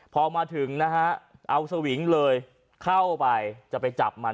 พอมาถึงนะฮะเอาสวิงเลยเข้าไปจะไปจับมัน